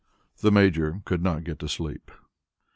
The Major could not get to sleep.